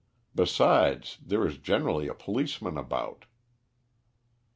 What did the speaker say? Besides, there is generally a policeman about."